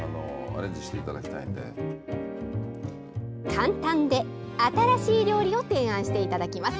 簡単で新しい料理を提案していただきます。